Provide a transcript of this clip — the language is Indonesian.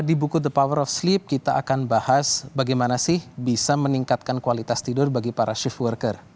di buku the power of sleep kita akan bahas bagaimana sih bisa meningkatkan kualitas tidur bagi para shift worker